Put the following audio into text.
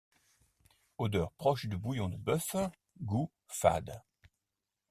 Odeur proche du bouillon de bœuf, goût fade.